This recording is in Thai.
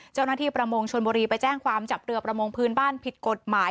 ประมงชนบุรีไปแจ้งความจับเรือประมงพื้นบ้านผิดกฎหมาย